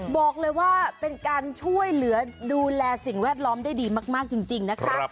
บอกเลยว่าเป็นการช่วยเหลือดูแลสิ่งแวดล้อมได้ดีมากจริงนะคะ